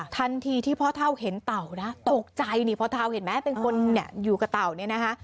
ทันทีที่พ่อเท่าเห็นเต่านะตกใจนี่พ่อเท่าเห็นไหมเป็นคนเนี่ยอยู่กับเต่าเนี่ยนะคะ